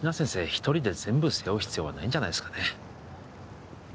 一人で全部背負う必要はないんじゃないですかね